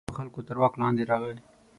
د ډېرو خلکو تر واک لاندې راغی.